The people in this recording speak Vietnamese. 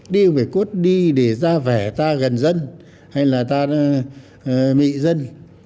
đi không phải cốt đi để ra vẻ ta gần dân hay là ta bị dân